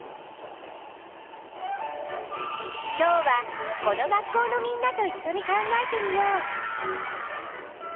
今日はこの学校のみんなといっしょに考えてみよう。